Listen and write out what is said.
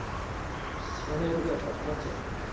知らないとこだったら困っちゃう。